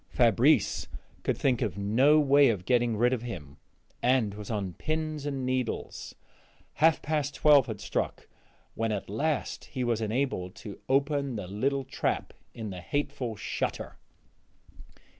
Fabrice could think of no way of getting rid of him, and was on pins and needles; half past twelve had struck when at last he was enabled to open the little trap in the hateful shutter.